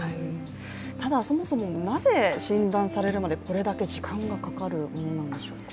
ただそもそも、なぜ診断されるまでこれだけ時間がかかるものなんでしょうか。